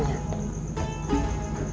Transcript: dan calon misteri kamu